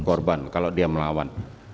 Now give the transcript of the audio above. korban kalau dia melawan